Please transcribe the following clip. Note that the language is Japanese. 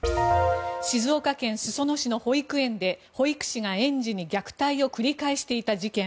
静岡県裾野市の保育園で保育士が園児に虐待を繰り返していた事件。